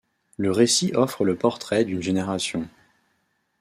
Le récit offre le portrait d'une génération.